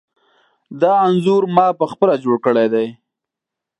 دا انځور ما پخپله جوړ کړی دی.